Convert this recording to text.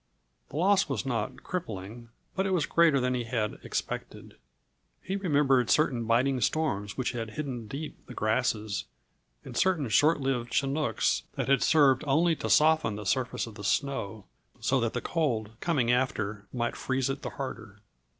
The loss was not crippling, but it was greater than he had expected. He remembered certain biting storms which had hidden deep the grasses, and certain short lived chinooks that had served only to soften the surface of the snow so that the cold, coming after, might freeze it the harder.